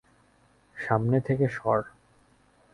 সামনে থেকে সর।